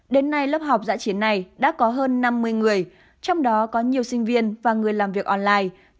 đến nay lớp học giã chiến này đã có hơn năm mươi người trong đó có nhiều sinh viên và người làm việc online